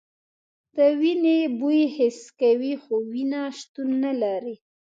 د وینې بوی حس کوي خو وینه شتون نه لري.